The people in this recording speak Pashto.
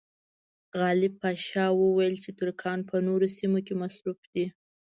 غالب پاشا وویل چې ترکان په نورو سیمو کې مصروف دي.